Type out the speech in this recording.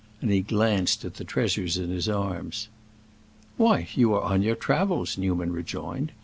And he glanced at the treasures in his arms. "Why, you are on your travels," Newman rejoined.